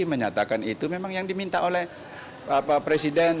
menyatakan itu memang yang diminta oleh presiden